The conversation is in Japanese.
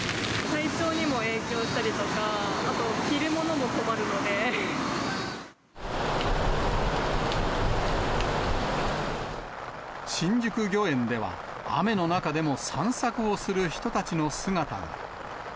体調にも影響したりとか、新宿御苑では、雨の中でも散策をする人たちの姿が。